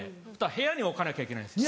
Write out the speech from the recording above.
部屋に置かなきゃいけないんです。